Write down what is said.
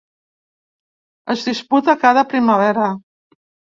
Es disputa cada primavera.